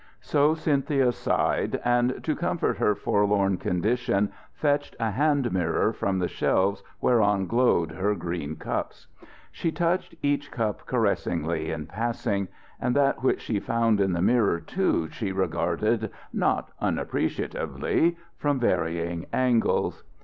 So Cynthia sighed, and to comfort her forlorn condition fetched a hand mirror from the shelves whereon glowed her green cups. She touched each cup caressingly in passing; and that which she found in the mirror, too, she regarded not unappreciatively, from varying angles....